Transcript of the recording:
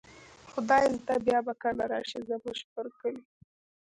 خدای زده بیا به کله را شئ، زموږ پر کلي